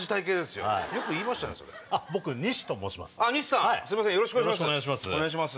よろしくお願いします。